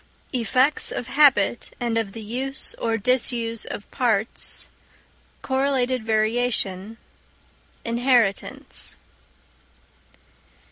_Effects of Habit and of the Use or Disuse of Parts; Correlated Variation; Inheritance.